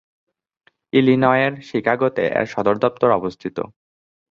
ইলিনয়ের শিকাগোতে এর সদর দফতর অবস্থিত।